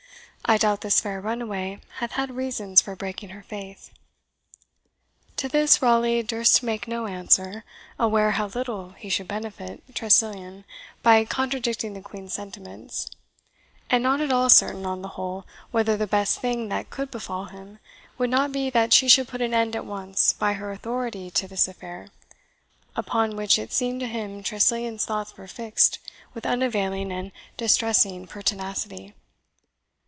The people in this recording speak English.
I doubt this fair runaway hath had reasons for breaking her faith." To this Raleigh durst make no answer, aware how little he should benefit Tressilian by contradicting the Queen's sentiments, and not at all certain, on the whole, whether the best thing that could befall him would not be that she should put an end at once by her authority to this affair, upon which it seemed to him Tressilian's thoughts were fixed with unavailing and distressing pertinacity.